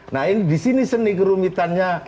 nah ini disini seni kerumitannya